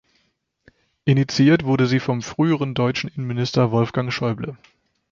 Initiiert wurde sie vom früheren deutschen Innenminister Wolfgang Schäuble.